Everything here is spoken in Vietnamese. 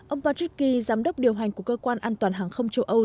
ông patrick key giám đốc điều hành của cơ quan an toàn hàng không châu âu